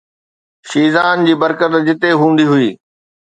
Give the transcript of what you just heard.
شيزان جي برڪت جتي هوندي هئي.